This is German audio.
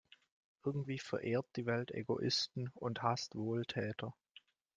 Irgendwie verehrt die Welt Egoisten und hasst Wohltäter.